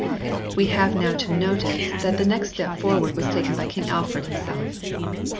We have now to notice that the next step forward was taken by King Alfred himself.